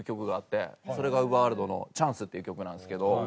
それがＵＶＥＲｗｏｒｌｄの『ＣＨＡＮＣＥ！』っていう曲なんですけど。